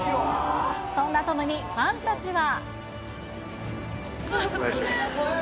そんなトムにファンたちは。